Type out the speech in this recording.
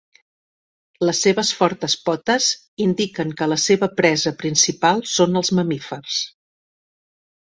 Les seves fortes potes indiquen que la seva presa principal són els mamífers.